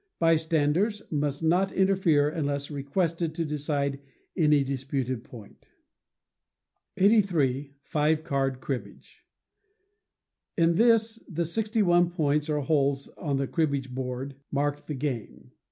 Bystanders must not interfere unless requested to decide any disputed point. 83. Five Card Cribbage. In this the sixty one points or holes on the cribbage board mark the game.